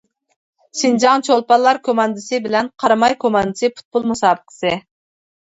«شىنجاڭ چولپانلار كوماندىسى» بىلەن «قاراماي كوماندىسى» پۇتبول مۇسابىقىسى.